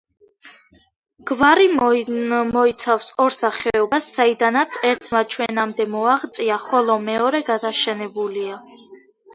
გვარი მოიცავს ორ სახეობას, საიდანაც ერთმა ჩვენამდე მოაღწია, ხოლო მეორე გადაშენებულია.